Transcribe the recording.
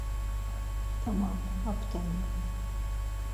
Tamam, ǩaptani.